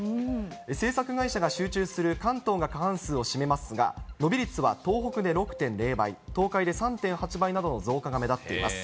制作会社が集中する関東が過半数を占めますが、伸び率は東北で６．０倍、東海で３．８倍などの増加が目立っています。